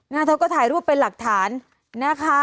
นี่เขาก็ถ่ายรวบเป็นหลักฐานนะคะ